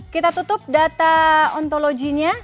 kita tutup data ontologinya